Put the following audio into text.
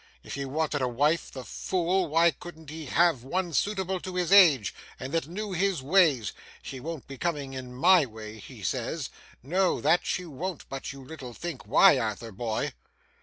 If he wanted a wife, the fool, why couldn't he have one suitable to his age, and that knew his ways? She won't come in MY way, he says. No, that she won't, but you little think why, Arthur boy!